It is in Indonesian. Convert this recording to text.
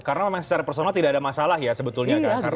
karena memang secara personal tidak ada masalah ya sebetulnya